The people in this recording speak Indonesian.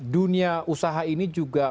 dunia usaha ini juga